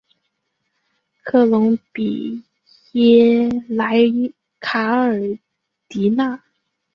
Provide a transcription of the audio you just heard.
科隆比耶莱卡尔迪纳。